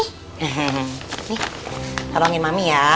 nih tolongin mami ya